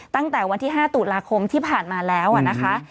ตั้งแต่วันที่๕ตุลาคมที่ผ่านมาแล้วนะคะ